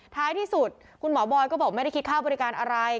ท้ายที่สุดคุณหมอบอยก็บอกไม่ได้คิดค่าบริการอะไร